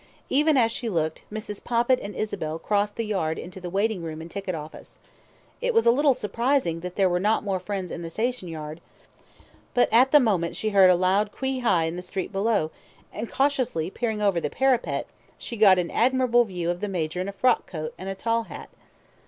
Even as she looked, Mrs. Poppit and Isabel crossed the yard into the waiting room and ticket office. It was a little surprising that there were not more friends in the station yard, but at the moment she heard a loud Qui hi in the street below, and cautiously peering over the parapet, she got an admirable view of the Major in a frock coat and tall hat.